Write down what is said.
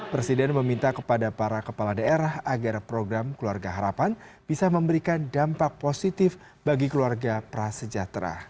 presiden meminta kepada para kepala daerah agar program keluarga harapan bisa memberikan dampak positif bagi keluarga prasejahtera